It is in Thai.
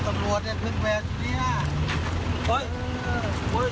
โหตำรวจเนี่ยเพิ่งแวดสิเนี่ย